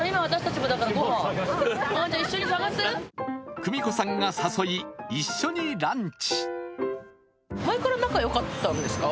久美子さんが誘い一緒にランチ。